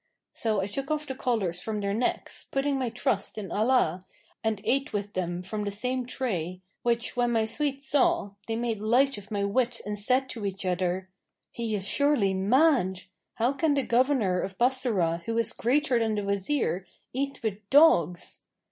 So I took off the collars from their necks, putting my trust in Allah, and ate with them from the same tray, which when my suite saw, they made light of my wit and said each to other, 'He is surely mad! How can the governor of Bassorah who is greater than the Wazir, eat with dogs?'